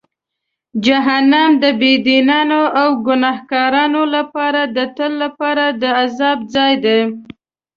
جهنم د بېدینانو او ګناهکارانو لپاره د تل لپاره د عذاب ځای دی.